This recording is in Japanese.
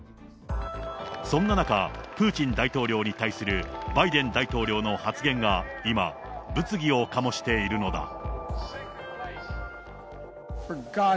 そんな中、プーチン大統領に対するバイデン大統領の発言が、今、物議を醸しているのだ。